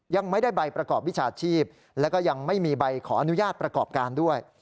ยังไม่ได้ใบประกอบวิชาชีพแล้วก็ยังไม่มีใบขออนุญาตประกอบการด้วย